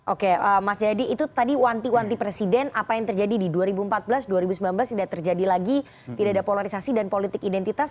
oke mas jayadi itu tadi wanti wanti presiden apa yang terjadi di dua ribu empat belas dua ribu sembilan belas tidak terjadi lagi tidak ada polarisasi dan politik identitas